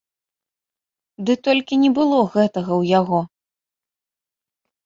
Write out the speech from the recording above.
Ды толькі не было гэтага ў яго.